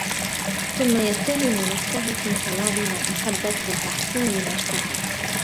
ثُمَّ يَتَّهِمُ نَفْسَهُ فِي صَوَابِ مَا أَحَبَّتْ وَتَحْسِينِ مَا اشْتَهَتْ